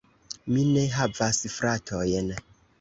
Mi ne havas fratojn.